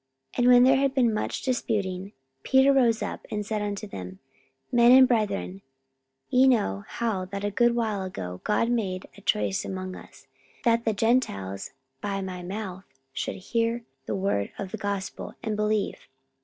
44:015:007 And when there had been much disputing, Peter rose up, and said unto them, Men and brethren, ye know how that a good while ago God made choice among us, that the Gentiles by my mouth should hear the word of the gospel, and believe.